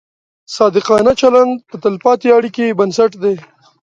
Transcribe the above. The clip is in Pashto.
صادقانه چلند د تلپاتې اړیکې بنسټ دی.